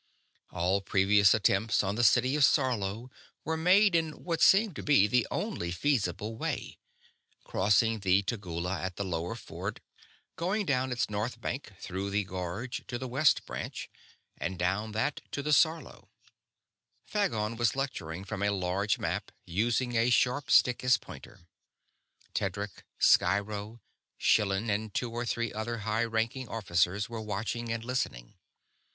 "ALL previous attempts on the city of Sarlo were made in what seemed to be the only feasible way crossing the Tegula at Lower Ford, going down its north bank through the gorge to the West Branch, and down that to the Sarlo." Phagon was lecturing from a large map, using a sharp stick as pointer; Tedric, Sciro, Schillan, and two or three other high ranking officers were watching and listening.